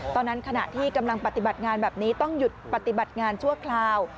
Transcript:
ขณะที่กำลังปฏิบัติงานแบบนี้ต้องหยุดปฏิบัติงานชั่วคราว